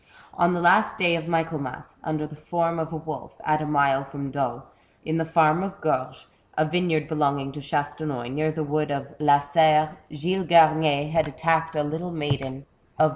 On the last day of Michaelmas, under the form of a wolf, at a mile from Dole, in the fjEum of Gorge, a vineyard belonging to Chastenoy, near the wood of La Serre, Gilles Gamier had attacked a little maiden of A CHAPTER OP HORRORS.